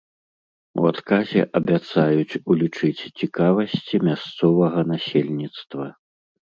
У адказе абяцаюць улічыць цікавасці мясцовага насельніцтва.